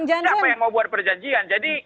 siapa yang mau buat perjanjian jadi